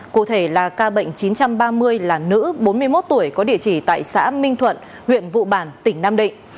cụ thể là ca bệnh chín trăm ba mươi là nữ bốn mươi một tuổi có địa chỉ tại xã minh thuận huyện vụ bản tỉnh nam định